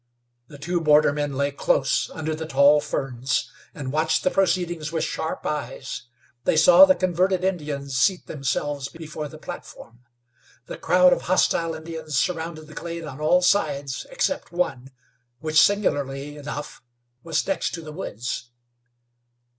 The two bordermen lay close under the tall ferns and watched the proceedings with sharp eyes. They saw the converted Indians seat themselves before the platform. The crowd of hostile Indians surrounded the glade on all sides, except on, which, singularly enough, was next to the woods.